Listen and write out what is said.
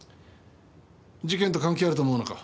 事件と関係あると思うのか？